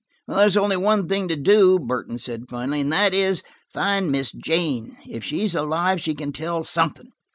"There's only one thing to do," Burton said finally, "and that is, find Miss Jane. If she's alive, she can tell something.